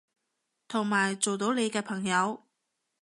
同埋做到你嘅朋友